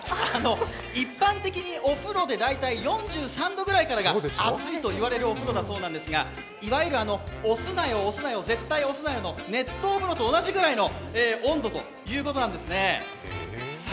一般的にお風呂で大体４３度くらいからが熱いと言われているそうですがいわゆる押すなよ、押すなよ、絶対押すなよの熱湯風呂と同じくらいの温度ということなんですね。